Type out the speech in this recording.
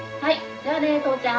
「じゃあね父ちゃん。